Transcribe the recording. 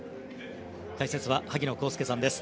解説は萩野公介さんです。